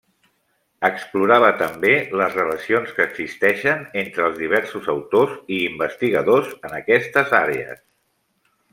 Explorava també les relacions que existeixen entre els diversos autors i investigadors en aquestes àrees.